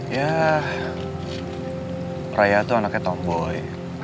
ya raya itu anaknya tomboy